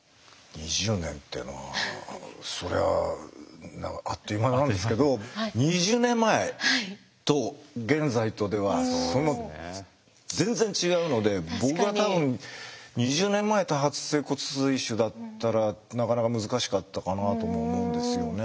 ２０年というのはそれはあっという間なんですけど２０年前と現在とではその全然違うので僕が多分２０年前多発性骨髄腫だったらなかなか難しかったかなとも思うんですよね。